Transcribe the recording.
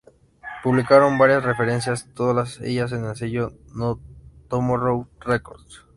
Publicaron varias referencias, todas ellas en el Sello No Tomorrow Records.